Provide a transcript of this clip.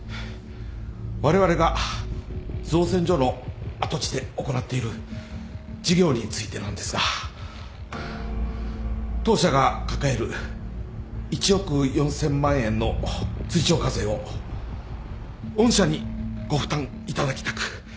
われわれが造船所の跡地で行っている事業についてなんですが当社が抱える１億４，０００万円の追徴課税を御社にご負担いただきたく。